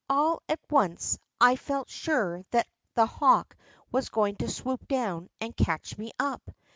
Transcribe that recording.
All at once, I felt sure that that hawk was going to swoop down and catch me up.